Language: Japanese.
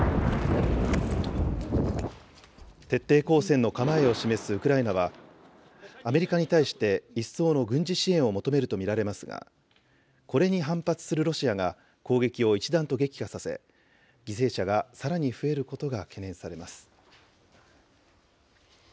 徹底抗戦の構えを示すウクライナは、アメリカに対して一層の軍事支援を求めると見られますが、これに反発するロシアが攻撃を一段と激化させ、犠牲者がさらに増えることが懸念されます。